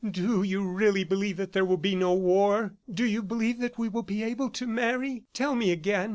"Do you really believe that there will be no war? Do you believe that we will be able to marry? ... Tell me again.